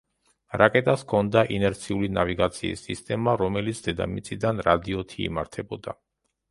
რაკეტას ჰქონდა ინერციული ნავიგაციის სისტემა რომელიც დედამიწიდან რადიოთი იმართებოდა.